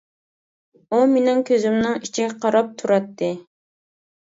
ئۇ مىنىڭ كۆزۈمنىڭ ئىچىگە قاراپ تۇراتتى.